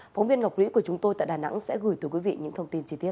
phóng viên ngọc lũy của chúng tôi tại đà nẵng sẽ gửi tới quý vị những thông tin chi tiết